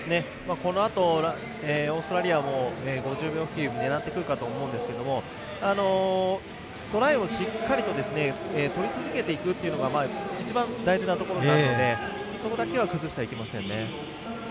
このあとオーストラリアも５０秒付近を狙ってくるかと思うんですけれどもトライをしっかりと取り続けていくというのが一番大事なところなのでそこだけは崩してはいけませんね。